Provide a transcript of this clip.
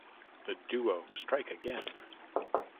The duo strike again!